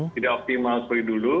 tidak optimal seperti dulu